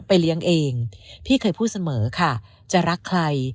เลี้ยงเองพี่เคยพูดเสมอค่ะจะรักใคร